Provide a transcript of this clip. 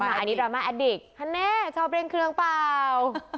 อันนี้ดราม่าแอดดิกฮัแน่ชอบเร่งเครื่องเปล่า